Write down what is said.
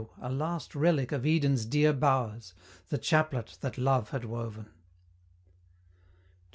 a last relic of Eden's dear bow'rs The chaplet that Love had woven! CCII.